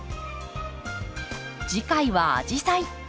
次回は「アジサイ」。